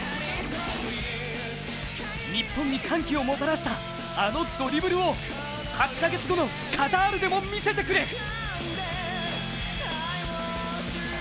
日本に歓喜をもたらしたあのドリブルを８カ月後のカタールでも見せてくれ！